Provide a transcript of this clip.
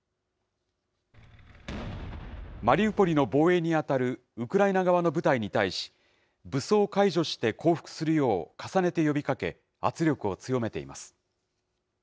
マリウポリの防衛に当たるウクライナ側の部隊に対し、武装解除して降伏するよう重ねて呼びかけ、圧力を強めています。